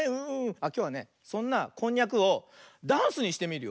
あっきょうはねそんなこんにゃくをダンスにしてみるよ。